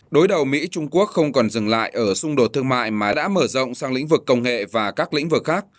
đối đầu mỹ trung quốc không còn dừng lại ở xung đột thương mại mà đã mở rộng sang lĩnh vực công nghệ và các lĩnh vực khác